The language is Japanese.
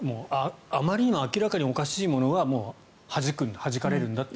あまりにも明らかにおかしいものははじかれるんだと。